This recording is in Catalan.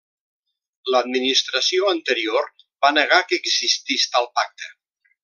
L'administració anterior va negar que existís tal pacte.